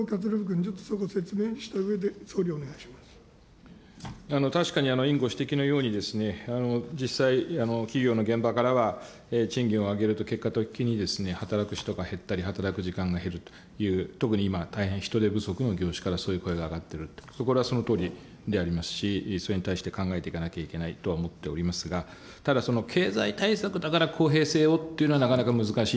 ちょっとそこ、説明したうえで、確かに委員ご指摘のように、実際、企業の現場からは、賃金を上げるときに、働く人が減ったり、働く時間が減るという、特に今、大変人手不足の業種からそういう声が上がっている、これはそのとおりでありますし、それに対して考えていかなきゃいけないとは思っておりますが、ただその経済対策だから公平性をっていうのは、なかなか難しい。